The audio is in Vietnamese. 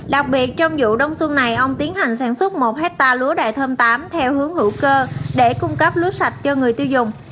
đặc biệt trong vụ đông xuân này ông tiến hành sản xuất một hectare lúa đại thơm tám theo hướng hữu cơ để cung cấp lúa sạch cho người tiêu dùng